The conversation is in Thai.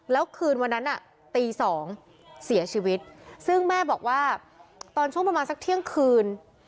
แล้วคืนวันนั้นตี๒เสียชีวิตซึ่งแม่บอกว่าตอนช่วงประมาณสักเที่ยงคืน